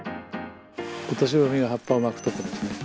オトシブミが葉っぱを巻くとこですね。